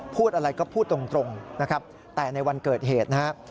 พูดอะไรก็พูดตรงนะครับแต่ในวันเกิดเหตุนะครับ